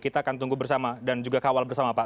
kita akan tunggu bersama dan juga kawal bersama pak